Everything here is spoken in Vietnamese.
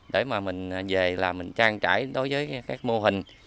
để mà mình về là mình trang trải đối với các mô hình